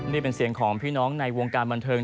นี่เป็นเสียงของพี่น้องในวงการบันเทิง